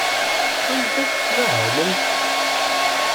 Anda tettmahalemt?